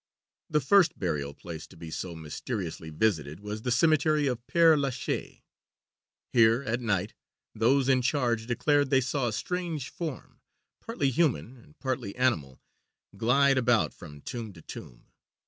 The first burial place to be so mysteriously visited was the Cemetery of Père Lachaise. Here, at night, those in charge declared they saw a strange form, partly human and partly animal, glide about from tomb to tomb.